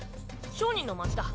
商人の町だ。